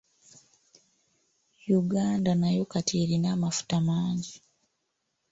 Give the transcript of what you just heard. Uganda nayo kati erina amafuta mangi.